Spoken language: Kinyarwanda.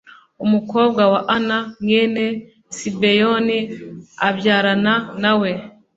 umukobwa wa Ana mwene Sibeyoni abyarana nawe